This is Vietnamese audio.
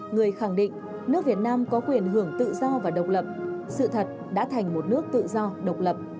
người khẳng định nước việt nam có quyền hưởng tự do và độc lập sự thật đã thành một nước tự do độc lập